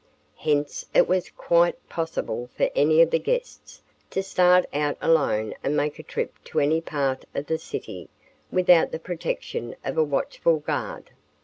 Hence it was quite possible for any of the guests to start out alone and make a trip to any part of the city without the protection of a watchful guard.